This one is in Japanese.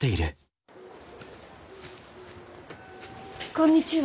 こんにちは。